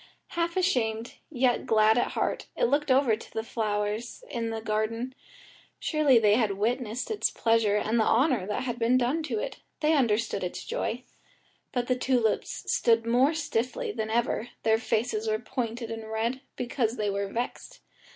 Half ashamed, yet glad at heart, it looked over to the other flowers in the garden; surely they had witnessed its pleasure and the honour that had been done to it; they understood its joy. But the tulips stood more stiffly than ever, their faces were pointed and red, because they were vexed.